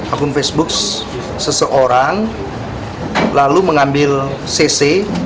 akun facebook seseorang lalu mengambil cc